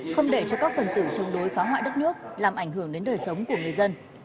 không để cho các phần tử chống đối phá hoại đất nước làm ảnh hưởng đến đời sống của người dân